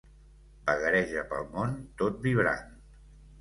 Vagareja pel món, tot vibrant.